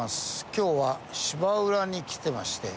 今日は芝浦に来てまして。